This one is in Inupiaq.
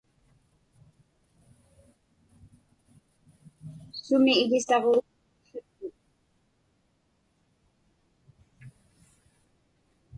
Sumi iḷisaġuuvat miqłiqtut?